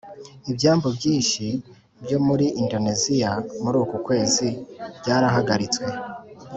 Ibyambu byinshi byo muri Indoneziya muri uku kwezi byarahagarirswe